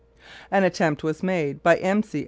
An attempt was made by M. C.